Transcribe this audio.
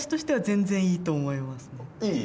いい？